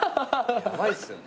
ヤバいっすよね。